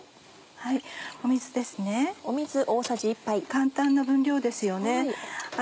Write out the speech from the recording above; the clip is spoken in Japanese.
簡単な分量ですよね。